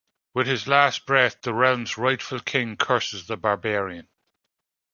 With his last breath, the realm's rightful king curses the barbarian.